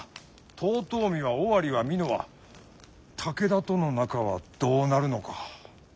遠江は尾張は美濃は武田との仲はどうなるのか。